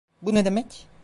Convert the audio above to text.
Bu ne demek?